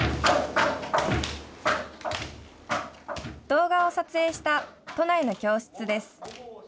動画を撮影した都内の教室です。